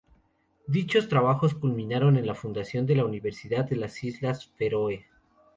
Dichos trabajos culminaron en la fundación de la Universidad de las Islas Feroe.